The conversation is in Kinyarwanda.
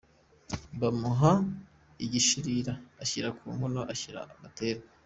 Bamuha igishirira ashyira ku nkono ashyira Gatera.